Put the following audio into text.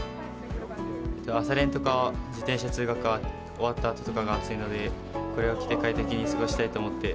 朝練とか自転車通学が終わったあととかが暑いので、これを着て快適に過ごしたいと思って。